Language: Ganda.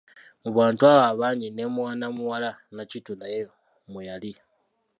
Mu bantu abo abangi ne mwana muwala Nnakitto naye mwe yali.